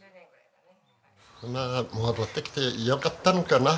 戻ってきてよかったのかな。